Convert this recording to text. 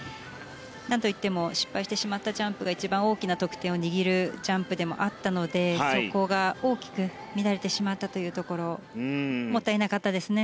なんといっても失敗してしまったジャンプが一番大きな得点を握るジャンプでもあったのでそこが大きく乱れてしまったというところもったいなかったですね。